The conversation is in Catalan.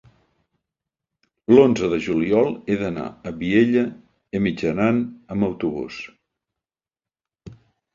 l'onze de juliol he d'anar a Vielha e Mijaran amb autobús.